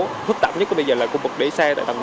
thức tạp nhất bây giờ là khu vực để xe tại tầng một